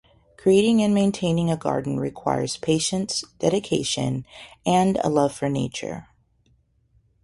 Creating and maintaining a garden requires patience, dedication, and a love for nature.